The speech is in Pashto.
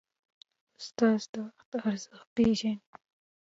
استاد د وخت ارزښت پېژني.